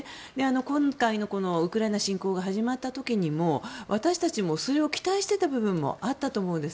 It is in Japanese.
今回のウクライナ侵攻が始まった時にも私たちもそれを期待していた部分もあったと思うんです。